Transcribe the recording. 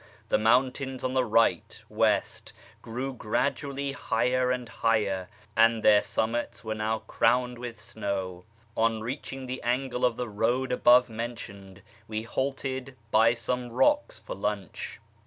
The mountains on the right (west) grew gradually higher and higher, and their summits were now crowned with snow. On reaching the angle of the road above mentioned we halted by some rocks for lunch.